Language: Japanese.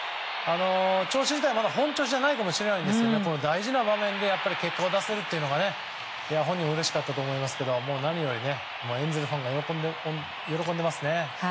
調子自体はまだ本調子じゃないとは思うんですが結果を出せるというのが本人もうれしかったと思いますが何より、エンゼルスファンが喜んでますね。